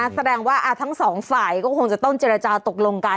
แสดงว่าทั้งสองฝ่ายก็คงจะต้องเจรจาตกลงกัน